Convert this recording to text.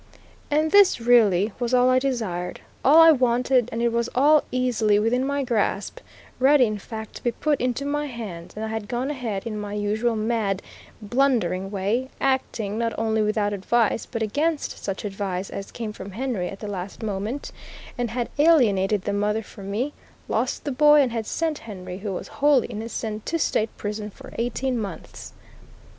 And this, really, was all I desired, all I wanted; and it was all easily within my grasp, ready in fact to be put into my hands, and I had gone ahead in my usual mad, blundering way, acting, not only without advice, but against such advice as came from Henry at the last moment, and had alienated the mother from me, lost the boy, and had sent Henry, who was wholly innocent, to state prison for eighteen months.